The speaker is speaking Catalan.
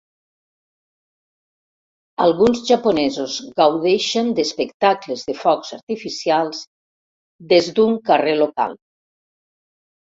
Alguns japonesos gaudeixen d'espectacles de focs artificials des d'un carrer local